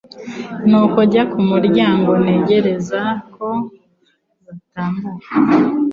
nuko njya ku muryango ntegereza kobatambuka